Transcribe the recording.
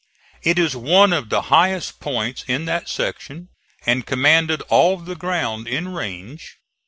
It is one of the highest points in that section, and commanded all the ground in range.